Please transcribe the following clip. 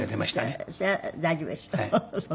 それは大丈夫でしょう